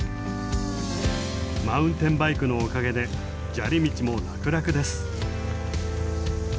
マウンテンバイクのおかげで砂利道も楽々です。